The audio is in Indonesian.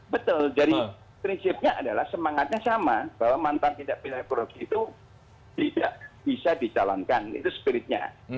betul jadi prinsipnya adalah semangatnya sama bahwa mantan tindak pidana korupsi itu tidak bisa dicalonkan itu spiritnya